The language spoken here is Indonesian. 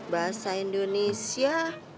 bahasa indonesia tujuh